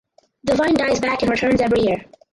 The vine dies back and returns every year.